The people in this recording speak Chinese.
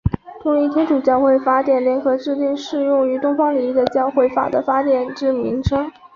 东仪天主教会法典联合制定适用于东方礼仪的教会法的法典之名称。